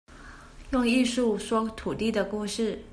用藝術，說土地的故事